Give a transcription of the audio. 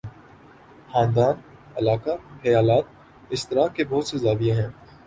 خاندان، علاقہ، خیالات اشتراک کے بہت سے زاویے ہیں۔